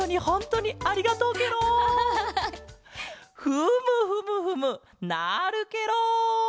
フムフムフムなるケロ！